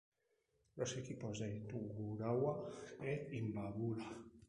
Los equipos de Tungurahua e Imbabura.